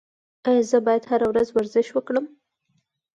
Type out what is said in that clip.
ایا زه باید هره ورځ ورزش وکړم؟